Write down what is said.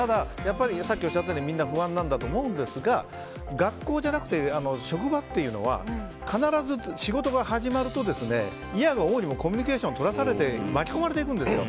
さっきおっしゃったように不安なんだと思うんですが学校じゃなくて職場っていうのは必ず仕事が始まるといやが応にもコミュニケーションをとらされて巻き込まれていくんですよ。